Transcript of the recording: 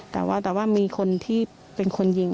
แต่ว่ามีคนที่บางคนยิง